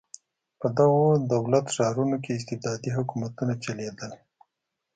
په دغو دولت ښارونو کې استبدادي حکومتونه چلېدل.